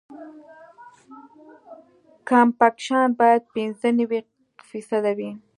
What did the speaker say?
کمپکشن باید پینځه نوي فیصده وي